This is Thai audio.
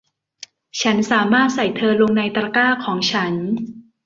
ฉันสามารถใส่เธอลงในตะกร้าของฉัน